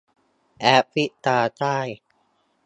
แอฟริกาใต้